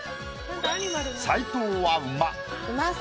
斉藤は馬。